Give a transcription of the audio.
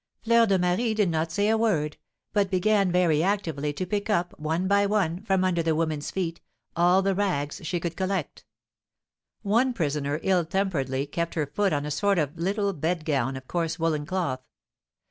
Fleur de Marie did not say a word, but began very actively to pick up, one by one, from under the women's feet, all the rags she could collect. One prisoner ill temperedly kept her foot on a sort of little bed gown of coarse woollen cloth.